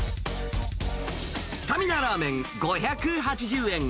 スタミナラーメン５８０円。